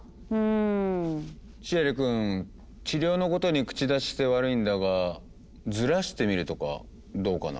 シエリくん治療のことに口出しして悪いんだがずらしてみるとかどうかな？